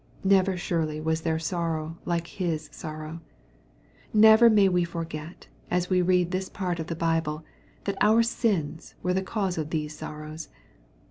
Never surely was there Borrow like His sorrow ! Never may we forget, as we read this part of the Bible, that our sins were the cause of these sorrows